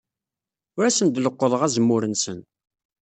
Ur asen-d-leqqḍeɣ azemmur-nsen.